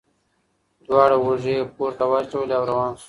دواړه اوږې یې پورته واچولې او روان شو.